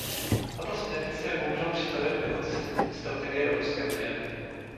Tato směrnice je bohužel příkladem nekonzistentní strategie Evropské unie.